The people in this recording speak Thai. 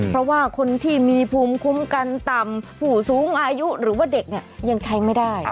เพราะว่าคนที่มีภูมิคุ้มกันต่ำผู้สูงอายุหรือว่าเด็กเนี่ยยังใช้ไม่ได้